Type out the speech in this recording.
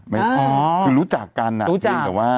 คือรู้จักกันอ่ะ